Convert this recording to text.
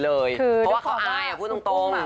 เพราะว่าเขาอายพูดตรง